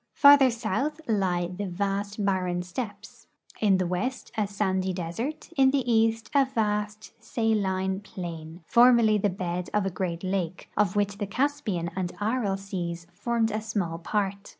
Farther south lie the vast barren steppes, in the west a sandy desert, in the east a vast saline plain, for merly the bed of a great lake, of which the Caspian and Aral seas formed a small part.